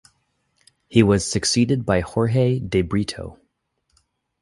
He was succeeded by Jorge de Brito.